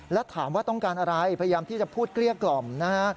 แล้วถามว่าต้องการอะไรพยายามที่จะพูดเกลี้ยกล่อมนะฮะ